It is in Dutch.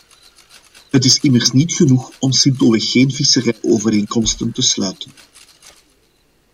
Het is immers niet genoeg om simpelweg geen visserijovereenkomsten te sluiten.